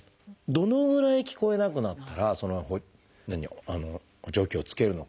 どのぐらい聞こえなくなったらその補聴器を着けるのかという。